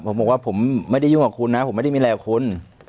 ผมบอกว่าผมไม่ได้ยุ่งกับคุณนะผมไม่ได้มีอะไรกับคุณ